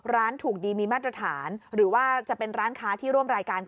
ร้านถูกดีมีมาตรฐานหรือว่าจะเป็นร้านค้าที่ร่วมรายการ